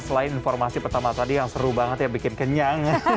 selain informasi pertama tadi yang seru banget ya bikin kenyang